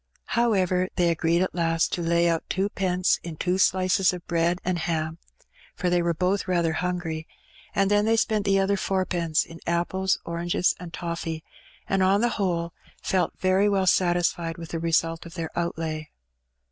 However, they agreed at last to lay out twopence in two slices of bread and ham, for they were both rather hungry; and then they spent the other fourpence in apples, oranges, and toflfee, and, on the whole, felt very well satisfied with the result of their outlay.